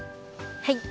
はい。